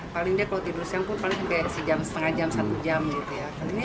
paling dia kalau tidur siang pun paling setengah jam satu jam gitu ya